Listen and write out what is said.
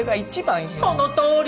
そのとおり！